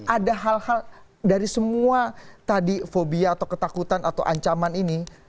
ada hal hal dari semua tadi fobia atau ketakutan atau ancaman ini